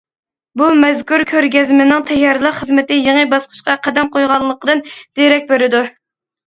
بۇ، مەزكۇر كۆرگەزمىنىڭ تەييارلىق خىزمىتى يېڭى باسقۇچقا قەدەم قويغانلىقىدىن دېرەك بېرىدۇ.